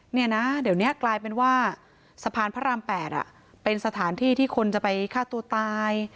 เนี่ยนะเดี๋ยวนี้กลายเป็นว่าสะพานพระราม๘เป็นสถานที่ที่คนจะไปฆ่าตัวตาย